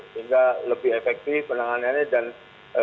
sehingga lebih efektif penanganannya dan